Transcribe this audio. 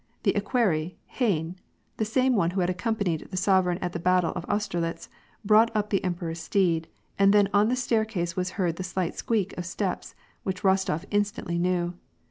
The equerry, Hayne, the same one who had accompanied the sovereign at the battle of Austerlitz, brought up the emperor's steed, and then on the staircase was heard the slight squeak of steps, which Eostof instantly knew.